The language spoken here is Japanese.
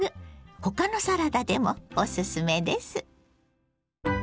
他のサラダでもおすすめです。